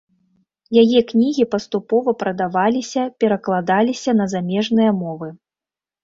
Яе кнігі паступова прадаваліся перакладаліся на замежныя мовы.